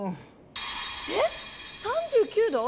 えっ３９度⁉